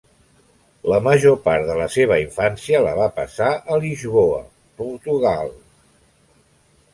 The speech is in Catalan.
La major part de la seva infància la va passar en Lisboa, Portugal.